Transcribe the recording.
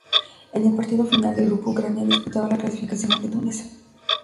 En el partido final del grupo, Ucrania disputaba la clasificación ante Túnez.